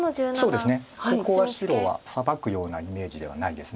ここは白はサバくようなイメージではないです。